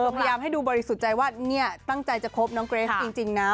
พยายามให้ดูบริสุทธิ์ใจว่าเนี่ยตั้งใจจะคบน้องเกรสจริงนะ